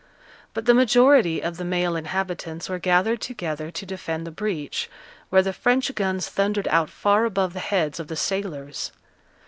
But the majority of the male inhabitants were gathered together to defend the breach, where the French guns thundered out far above the heads of the sailors.